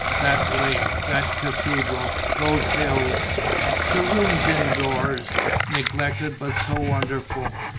That lake, that cathedral, those hills! The rooms indoors: neglected but so wonderful!